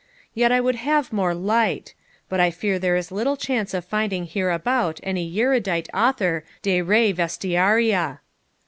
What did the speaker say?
Yet I would we had more light; but I fear there is little chance of finding hereabout any erudite author de re vestiaria.'